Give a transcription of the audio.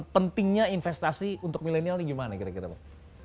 pentingnya investasi untuk milenial ini gimana kira kira bang